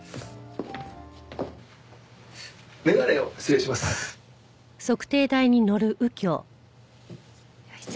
眼鏡を失礼します。